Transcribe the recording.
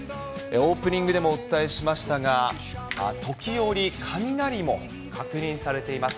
オープニングでもお伝えしましたが、時折、雷も確認されています。